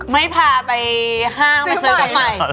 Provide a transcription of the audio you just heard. ไม่พาไปห้างไปซื้อกันใหม่